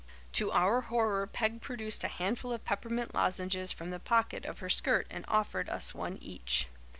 To our horror Peg produced a handful of peppermint lozenges from the pocket of her skirt and offered us one each.